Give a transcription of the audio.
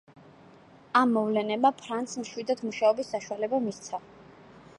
ამ მოვლენებმა ფრანსს მშვიდად მუშაობის საშუალება მისცა.